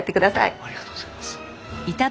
ありがとうございます。